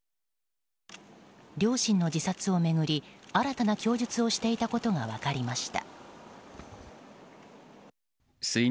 両親の自殺を巡り新たな供述をしていたことが分かりました。